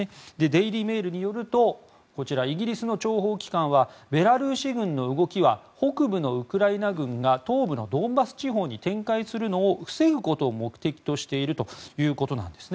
デイリー・メールによるとこちらイギリスの諜報機関はベラルーシ軍の動きは北部のウクライナ軍が東部のドンバス地方に展開するのを防ぐことを目的としているということなんです。